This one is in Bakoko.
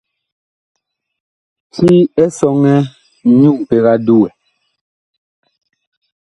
Ti Esɔŋɛ nyu mpeg a duwɛ.